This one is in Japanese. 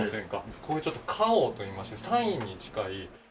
こういう花押といいましてサインに近い。